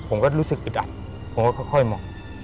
ผมก็รู้สึกอึดอัดผมก็ค่อยมอง